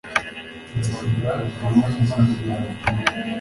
Nzagukumbura iyo ugiye